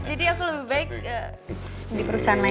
jadi aku lebih baik di perusahaan lain